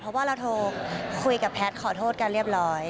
เพราะว่าเราโทรคุยกับแพทย์ขอโทษกันเรียบร้อย